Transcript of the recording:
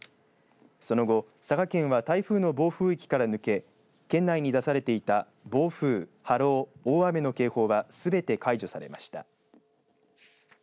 その後佐賀県は台風の暴風域から抜け県内に出されていた暴風、波浪、大雨の警報はすべて解除されました。